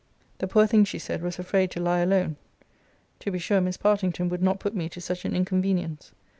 The poor thing, she said, was afraid to lie alone. To be sure Miss Partington would not put me to such an inconvenience.